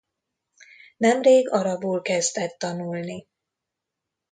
Nemrég arabul kezdett tanulni.